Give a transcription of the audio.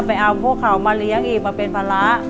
ไปเอาพวกเขามาเลี้ยงอีกมาเป็นภาระ